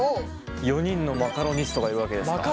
４人のマカロニストがいるわけですか。